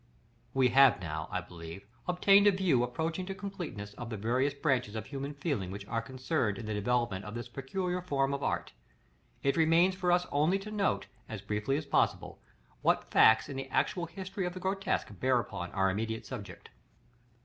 § LXVII. We have now, I believe, obtained a view approaching to completeness of the various branches of human feeling which are concerned in the developement of this peculiar form of art. It remains for us only to note, as briefly as possible, what facts in the actual history of the grotesque bear upon our immediate subject.